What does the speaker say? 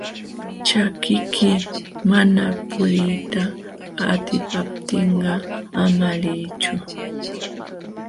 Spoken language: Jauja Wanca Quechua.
Ćhakiyki mana puliyta atipaptinqa ama liychu.